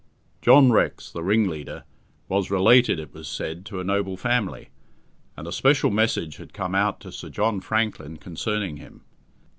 John Rex, the ringleader, was related, it was said, to a noble family, and a special message had come out to Sir John Franklin concerning him.